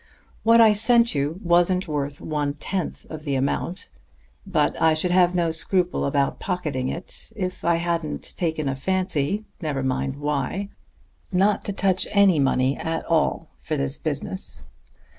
"What I sent you wasn't worth one tenth of the amount; but I should have no scruple about pocketing it, if I hadn't taken a fancy never mind why not to touch any money at all for this business.